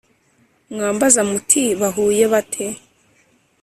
Mwambaza muti bahuye bate?